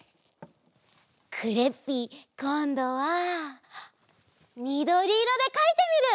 クレッピーこんどはみどりいろでかいてみる！